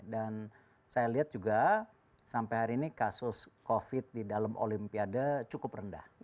dan saya lihat juga sampai hari ini kasus covid sembilan belas di dalam olimpiade cukup rendah